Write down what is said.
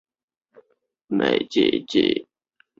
随后苏毗国王没庐赞起兵叛乱。